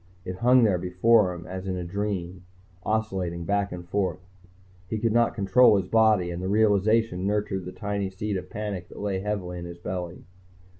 It hung there before him as in a dream, oscillating back and forth. He could not control his body, and the realization nurtured the tiny seed of panic that lay heavily in his belly.